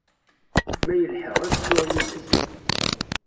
Ma yelḥa, ad dduɣ yid-s.